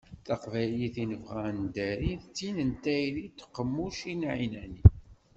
Taqbaylit i nebɣa ad neddari d tin n tayri d tqemmucin εinani.